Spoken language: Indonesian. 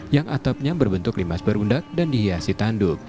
yang atapnya berbentuk limas berundak dan dihiasi tanduk